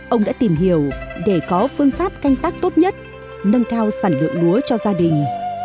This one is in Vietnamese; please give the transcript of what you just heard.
ông đã tìm hiểu để có phương pháp canh tác tốt nhất nâng cao sản lượng lúa cho gia đình